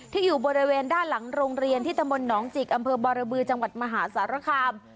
อยู่บริเวณด้านหลังโรงเรียนที่ตะมนตหนองจิกอำเภอบรบือจังหวัดมหาสารคาม